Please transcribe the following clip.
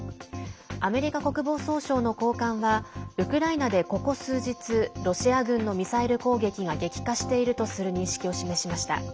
アメリカ国防総省の高官はウクライナで、ここ数日ロシア軍のミサイル攻撃が激化しているとする認識を示しました。